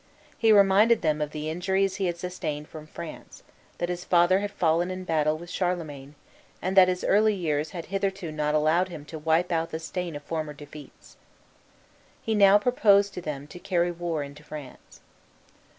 He reminded them of the injuries he had sustained from France, that his father had fallen in battle with Charlemagne, and that his early years had hitherto not allowed him to wipe out the stain of former defeats. He now proposed to them to carry war into France.